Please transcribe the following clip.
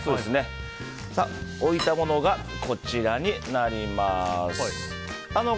置いたものがこちらになります。